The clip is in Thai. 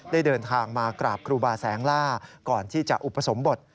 เดินทางมากราบครูบาแสงล่าก่อนที่จะอุปสมบท